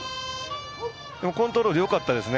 コントロールよかったですね。